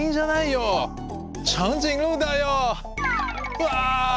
うわ！